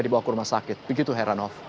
dibawa ke rumah sakit begitu heranov